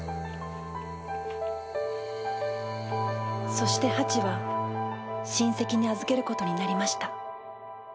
そしてハチは親戚に預けることになりました。